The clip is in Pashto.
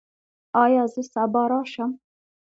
ایا زه سبا راشم؟